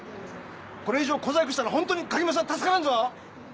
これ以上小細工したらほんとに垣沼さん助からんぞ！！